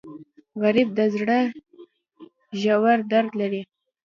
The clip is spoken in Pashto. غریب د زړه ژور درد لري